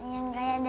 yang kayak dade